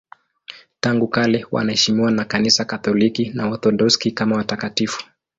Tangu kale wanaheshimiwa na Kanisa Katoliki na Waorthodoksi kama watakatifu.